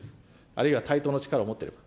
あるいは対等の力を持ってれば。